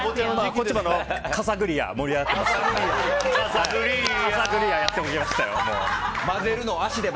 こっちもカサグリア盛り上がってますので。